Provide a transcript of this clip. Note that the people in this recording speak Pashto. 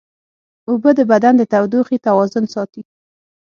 اوبه د بدن د تودوخې توازن ساتي